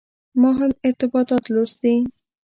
ما هم ارتباطات لوستي.